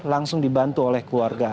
langsung dibantu oleh keluarga